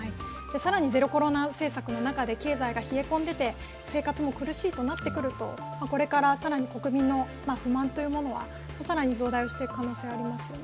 更にゼロコロナ政策の中で経済が冷え込んでいて生活も苦しいとなってくるとこれから国民の不満というものは更に増大をしていく可能性はありますよね。